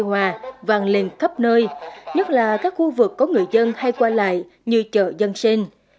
hòa vàng liền khắp nơi nhất là các khu vực có người dân hay qua lại như chợ dân sinh